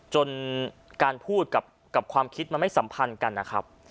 จนการพูดกับความคิดมันไม่สัมพันธ์กันนะครับ